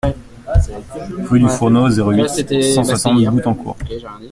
Rue du Fourneau, zéro huit, cent soixante Boutancourt